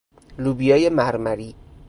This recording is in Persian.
لوبیای مرمری